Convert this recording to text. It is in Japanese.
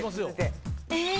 え？